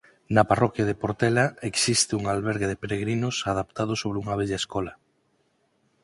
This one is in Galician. Na parroquia de Portela existe un albergue de peregrinos adaptado sobre unha vella escola.